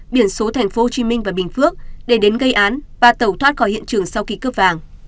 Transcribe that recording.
biển số tp hcm và bình phước để đến gây án và tẩu thoát khỏi hiện trường sau khi cướp vàng